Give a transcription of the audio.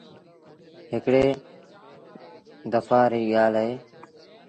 هڪڙي دپآ ري ڳآل اهي۔